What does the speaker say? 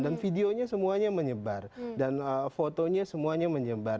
dan videonya semuanya menyebar dan fotonya semuanya menyebar